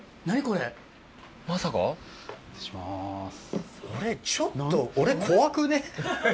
これちょっと俺怖くね？